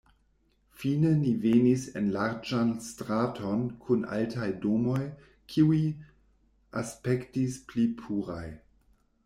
Fine ni venis en larĝan straton kun altaj domoj, kiuj aspektis pli puraj.